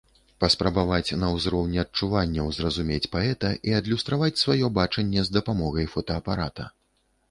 Паспрабаваць на ўзроўні адчуванняў зразумець паэта і адлюстраваць сваё бачанне з дапамогай фотаапарата.